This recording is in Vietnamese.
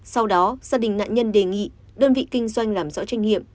sau đó gia đình nạn nhân đề nghị đơn vị kinh doanh làm rõ tranh nghiệm